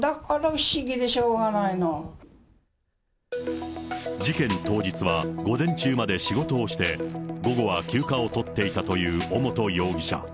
ないのないの、事件当日は午前中まで仕事をして、午後は休暇を取っていたという尾本容疑者。